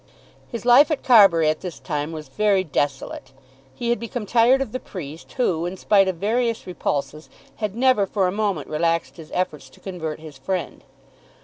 His life at Carbury, at this time, was very desolate. He had become tired of the priest, who, in spite of various repulses, had never for a moment relaxed his efforts to convert his friend.